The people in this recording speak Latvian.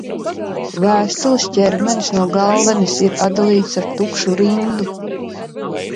Vēstules ķermenis no galvenes ir atdalīts ar tukšu rindu.